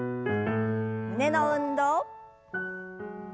胸の運動。